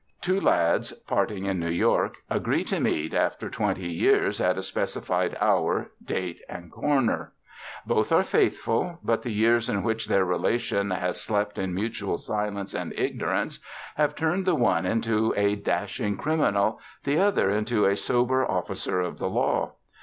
Two lads, parting in New York, agree to meet "After Twenty Years" at a specified hour, date, and corner. Both are faithful; but the years in which their relation has slept in mutual silence and ignorance have turned the one into a dashing criminal, the other into a sober officer of the law.